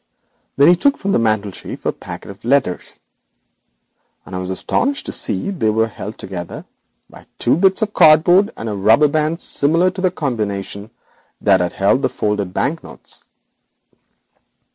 Then he took from the mantelshelf a packet of letters, and I was astonished to see they were held together by two bits of cardboard and a rubber band similar to the combination that had contained the folded bank notes.